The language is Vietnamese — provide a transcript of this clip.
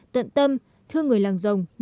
tận tâm thương người làng rồng